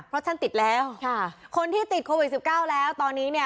เพราะฉันติดแล้วคนที่ติดโควิด๑๙แล้วตอนนี้เนี่ย